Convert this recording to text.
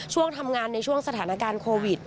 ช่วงทำงานในช่วงสถานการณ์โควิด